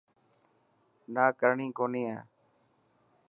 نا ڪرڻي ڪونهي هي.